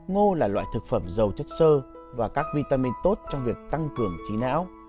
ngô là loại thực phẩm dầu chất sơ và các vitamin tốt trong việc tăng cường trí não